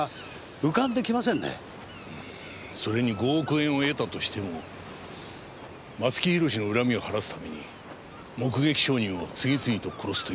うんそれに５億円を得たとしても松木弘の恨みを晴らすために目撃証人を次々と殺すというのは。